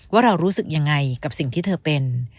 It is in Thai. ว่าเรารู้สึกยังไงกับสิ่งที่เธอเป็น